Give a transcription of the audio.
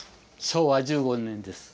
昭和１５年です。